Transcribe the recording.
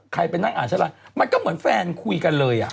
ไปนั่งอ่านฉันไลน์มันก็เหมือนแฟนคุยกันเลย